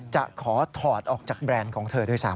จะขอถอดออกจากแบรนด์ของเธอด้วยซ้